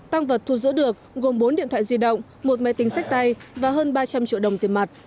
tăng vật thu giữ được gồm bốn điện thoại di động một máy tính sách tay và hơn ba trăm linh triệu đồng tiền mặt